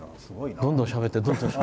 どんどん、しゃべって。